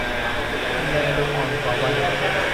แลดูอ่อนกว่าวัย